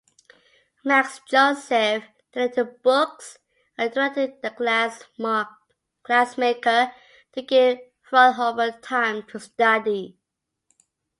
Max Joseph donated books and directed the glassmaker to give Fraunhofer time to study.